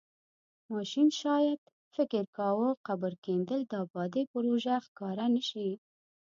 ماشین شاید فکر کاوه قبر کیندل د ابادۍ پروژه ښکاره نشي.